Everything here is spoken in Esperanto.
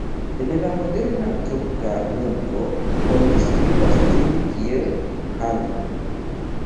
En la moderna turka lingvo oni skribas ĝin kiel "han".